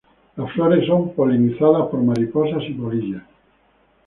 Las flores son polinizadas por mariposas y polillas.